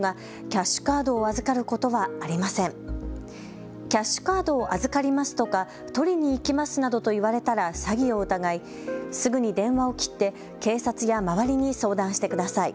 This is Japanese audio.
キャッシュカードを預かりますとか、取りに行きますなどと言われたら詐欺を疑いすぐに電話を切って警察や周りに相談してください。